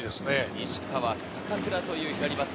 西川、坂倉という左バッ